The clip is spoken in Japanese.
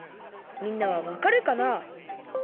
みんなはわかるかな？